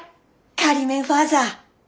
仮免ファーザー。